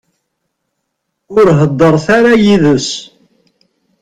Ur heddṛet ara yid-s.